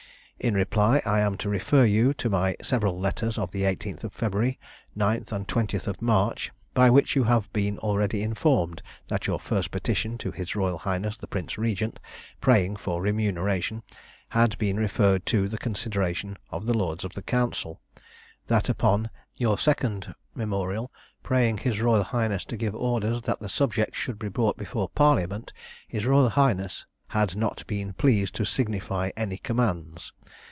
In reply, I am to refer you to my several letters of the 18th of February, 9th and 20th of March, by which you have been already informed that your first petition to his royal highness the Prince Regent, praying for remuneration, had been referred to the consideration of the lords of the council. That upon your second memorial, praying his royal highness to give orders that the subject should be brought before parliament, his royal highness had not been pleased to signify any commands.